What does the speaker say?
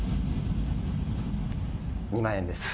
２万円です。